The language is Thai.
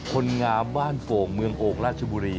คนงามบ้านโป่งเมืองโอ่งราชบุรี